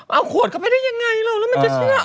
เอาขวดเข้าไปได้ยังไงเราแล้วมันจะเชื่อ